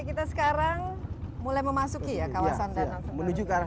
kita sekarang mulai memasuki ya kawasan danau menuju ke arah